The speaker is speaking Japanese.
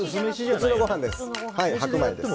普通のご飯、白米です。